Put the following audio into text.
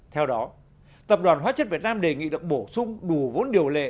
theo đó tập đoàn hóa chất việt nam đề nghị được bổ sung đủ vốn điều lệ